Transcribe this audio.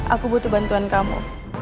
aku butuh bantuan kamu